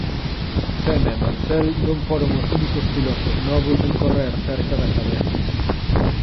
Senna e Mansell non foron os únicos pilotos novos en correr cerca da cabeza.